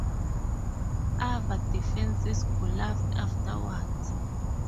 Ava defenses collapsed afterwards.